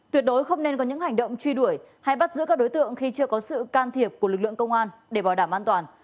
tuyệt đối không nên có những hành động truy đuổi hay bắt giữ các đối tượng khi chưa có sự can thiệp của lực lượng công an để bảo đảm an toàn